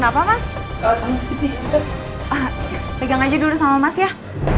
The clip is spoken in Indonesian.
pegang aja dulu sama mas ya